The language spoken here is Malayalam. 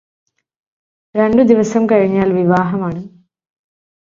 രണ്ടു ദിവസം കഴിഞ്ഞാൽ വിവാഹമാണ്